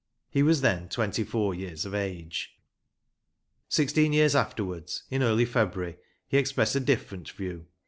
He was then twenty four years of age. Sixteen years afterwards, in early February, he expressed a different view.